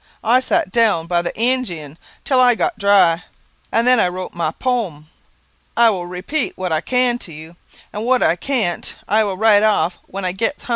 I sat down by the en gine till I got dry, and then I wrote my pome. I will repeat what I can to you, and what I can't I will write right off when I gets hum.